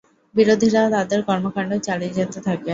বিরোধীরা তাদের কর্মকাণ্ড চালিয়ে যেতে থাকে।